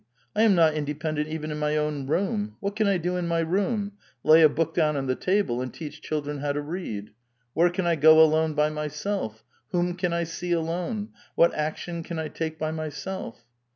I am not independent even in my own room. What can I do in my room ? Lay a book down on the table, and teach children how to read. Where can I go alone by myself? Whom can I see alone? What action can I take by myself?"